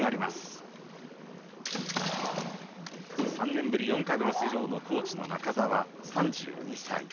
３年ぶり４回目の出場の高知の中澤、３２歳。